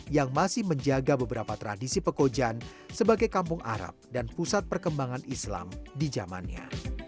yang masih menjaga beberapa tradisi pekojan sebagai kampung arab dan pusat perkembangan islam di zamannya